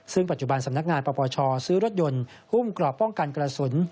ซึ่งปัจจุบันสำนักงานปปชซื้อรถยนต์หุ้มกรอบป้องกันกระสุน